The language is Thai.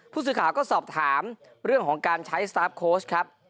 ผู้สื่อข่าวก็สอบถามเรื่องของการใช้สตาร์ฟโค้ชครับ